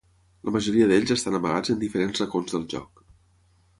La majoria d'ells estan amagats en diferents racons del joc.